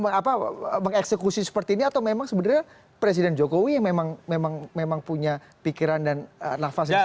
bagaimana mengeksekusi seperti ini atau memang sebenarnya presiden jokowi yang memang punya pikiran dan nafas yang sama